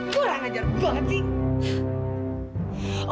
kurang ajar gue banget sih